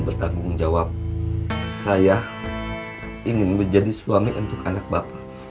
bertanggung jawab saya ingin menjadi suami untuk anak bapak